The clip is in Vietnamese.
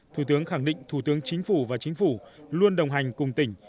thủ tướng khẳng định thủ tướng chính phủ và chính phủ luôn đồng hành cùng tỉnh